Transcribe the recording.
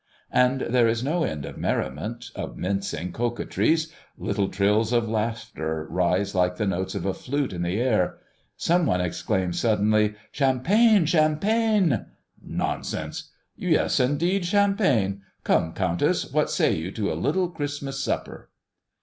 And there is no end of merriment, of mincing coquetries. Little trills of laughter rise like the notes of a flute in the air. Some one exclaims suddenly, "Champagne! champagne!" "Nonsense!" "Yes, indeed, champagne. Come, Countess, what say you to a little Christmas supper?"